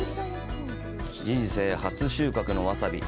人生初収穫のわさび。